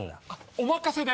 お任せで。